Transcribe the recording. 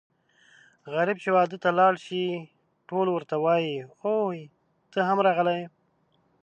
غريب چې واده ته لاړ شي ټول ورته وايي اووی ته هم راغلی یې.